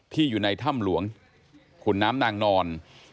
อยู่ในถ้ำหลวงขุนน้ำนางนอน